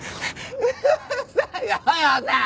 よよさん！